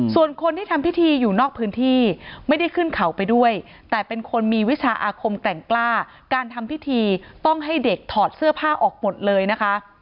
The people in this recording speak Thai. ส่วนคนที่ทำพิธีอยู่นอกพื้นที่ไม่ได้ขึ้นเขาไปด้วยแต่เป็นคนมีวิชาอาคมแกร่งกล้าการทำพิธีต้องให้เด็กถอดเสื้อผ้าออกหมดเลยนะคะ